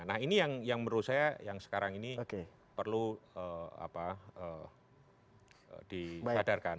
nah ini yang menurut saya yang sekarang ini perlu dihadarkan